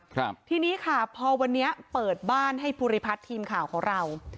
ครับทีนี้ค่ะพอวันนี้เปิดบ้านให้ภูริพัฒน์ทีมข่าวของเรา